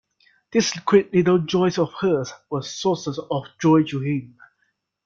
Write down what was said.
These quick little joys of hers were sources of joy to him.